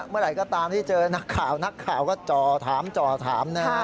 เมื่อไหร่ก็ตามที่เจอนักข่าวก็จอถามนะครับ